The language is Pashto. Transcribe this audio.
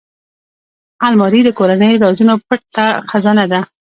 الماري د کورنۍ رازونو پټ خزانه ده